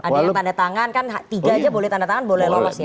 ada yang tanda tangan kan tiga aja boleh tanda tangan boleh lolos ya